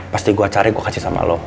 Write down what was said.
pasti gue cari gue kasih sama lo